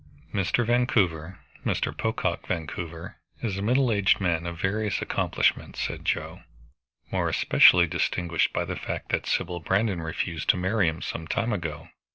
"Mr. Vancouver Mr. Pocock Vancouver is a middle aged man of various accomplishments," said Joe, "more especially distinguished by the fact that Sybil Brandon refused to marry him some time ago.